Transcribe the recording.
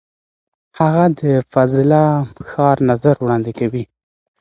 هغه د فاضله ښار نظر وړاندې کوي.